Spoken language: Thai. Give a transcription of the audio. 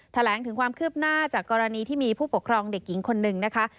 แถลงถึงความคืบหน้าจากกรณีที่มีผู้ปกครองเด็กหญิงคนหนึ่งนะคะ